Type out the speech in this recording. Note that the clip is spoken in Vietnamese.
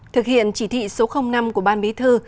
thực hiện chỉ thị số năm của ban bí thư